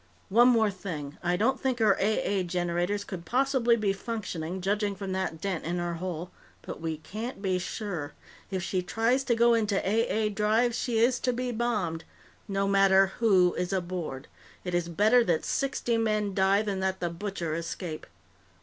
"One more thing. I don't think her A A generators could possibly be functioning, judging from that dent in her hull, but we can't be sure. If she tries to go into A A drive, she is to be bombed no matter who is aboard. It is better that sixty men die than that The Butcher escape.